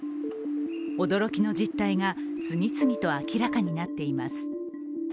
驚きの実態が次々と明らかになっています。